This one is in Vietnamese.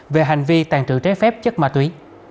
về hành vi tàn trự trái phép chất ma túy